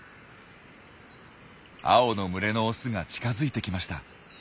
青の群れのオスが近づいてきました。